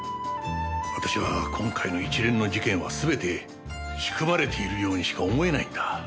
私は今回の一連の事件は全て仕組まれているようにしか思えないんだ。